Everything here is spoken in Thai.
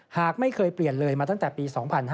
หากไม่เคยเปลี่ยนเลยมาตั้งแต่ปี๒๕๕๙